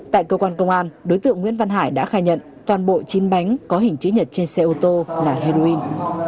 tại cơ quan công an đối tượng nguyễn văn hải đã khai nhận toàn bộ chín bánh có hình chữ nhật trên xe ô tô là heroin